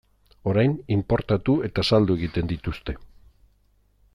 Orain inportatu eta saldu egiten dituzte.